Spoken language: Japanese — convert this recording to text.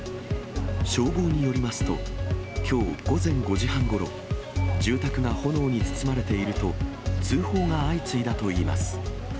消防によりますと、きょう午前５時半ごろ、住宅が炎に包まれていると、通報が相次いだといいます。